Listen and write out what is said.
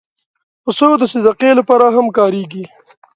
پسه د صدقې لپاره هم کارېږي.